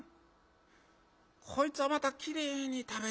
こいつはまたきれいに食べてるなおい。